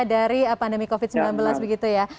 dari pandemi covid sembilan belas begitu ya